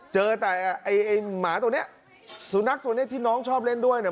เจอแต่ไอ้ไอ้หมาตัวเนี้ยสุนัขตัวเนี้ยที่น้องชอบเล่นด้วยเนี่ย